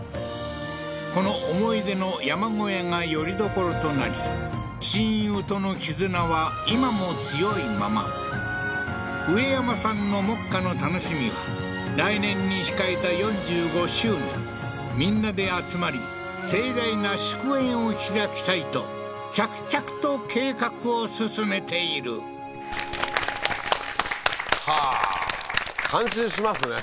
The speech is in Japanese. この思い出の山小屋がよりどころとなり親友との絆は今も強いまま植山さんの目下の楽しみは来年に控えた４５周年みんなで集まり盛大な祝宴を開きたいと着々と計画を進めているはあー感心しますね